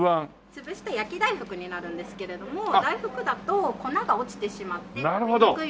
潰した焼き大福になるんですけれども大福だと粉が落ちてしまって食べにくいので。